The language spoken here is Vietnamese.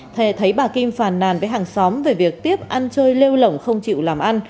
thề thấy bà kim phàn nàn với hàng xóm về việc tiếp ăn chơi lêu lỏng không chịu làm ăn